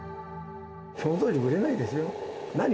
その当時は売れないですよ。